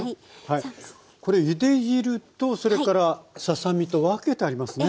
これゆで汁とそれからささ身と分けてありますね。